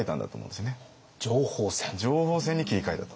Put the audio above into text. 情報戦に切り替えたと。